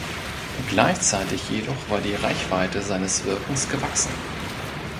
Gleichzeitig jedoch war die Reichweite seines Wirkens gewachsen.